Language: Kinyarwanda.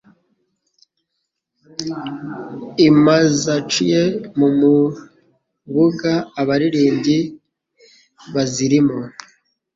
I MZaciye mu Mubuga Abaririmbyi bazirimo.